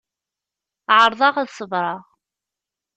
Ԑerḍeɣ ad ṣebreɣ.